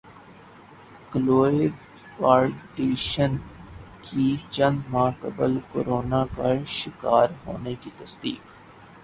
کلوئے Kardashian کی چند ماہ قبل کورونا کا شکار ہونے کی تصدیق